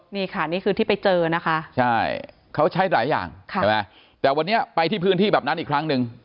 นี่ค่ะนี่คือที่ไปเจอนะคะใช่เขาใช้หลายอย่างใช่ไหมแต่วันนี้ไปที่พื้นที่แบบนั้นอีกครั้งหนึ่ง